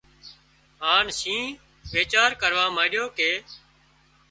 هانَ شينهن ويڇار ڪروا مانڏيو ڪي